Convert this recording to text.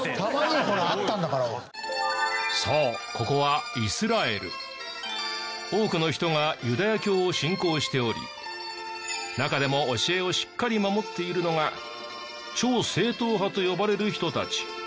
そうここは多くの人がユダヤ教を信仰しており中でも教えをしっかり守っているのが超正統派と呼ばれる人たち。